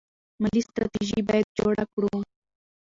مالي ستراتیژي باید جوړه کړو.